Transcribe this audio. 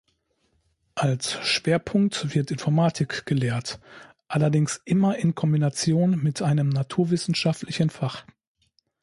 Als Schwerpunkt wird Informatik gelehrt, allerdings immer in Kombination mit einem naturwissenschaftlichen Fach.